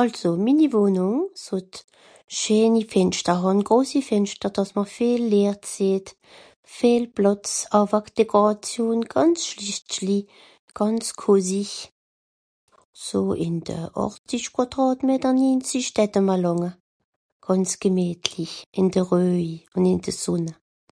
àlso minni Wohnùng s'hott scheeni Fìnster hàn grossi Fìnster dàss mr veem Lìrt seht veel Plàtz ... gànz cosy so ìn de àchtzich Kwàdràtmäter ninezich d'hettem'r lànge gànz gemìtli ìn de reuj ùn ìn de Sonn